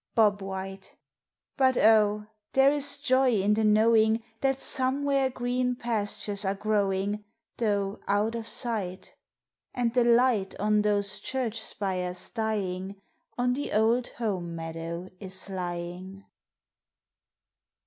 Bob White!" But oh! there is joy in the knowing That somewhere green pastures are growing, Though out of sight. And the light on those church spires dying, On the old home meadow is lying.